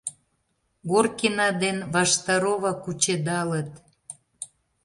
Горкина ден Ваштарова кучедалыт.